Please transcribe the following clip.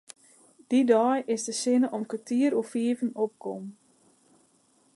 Dy dei is de sinne om kertier oer fiven opkommen.